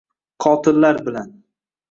Qotillar bilan